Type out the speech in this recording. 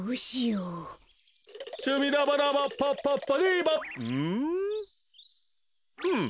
うん。